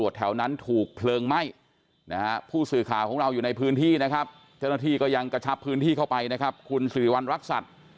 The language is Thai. เจ้าหน้าที่ก็ยังกระชับพื้นที่เข้าไปนะครับคุณสิริวัลรักษร